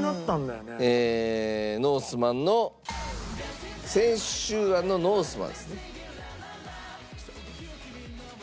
ノースマンの千秋庵のノースマンですね。